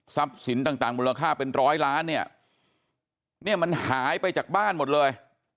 สินต่างมูลค่าเป็นร้อยล้านเนี่ยเนี่ยมันหายไปจากบ้านหมดเลย